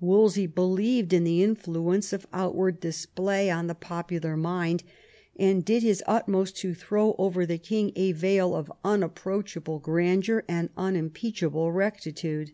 Wolsey believed in the influence^i^ of outward display on the popular mind, and did his z' utmost to throw over the king a veil of unapproachable grandeur and unimpeachable rectitude.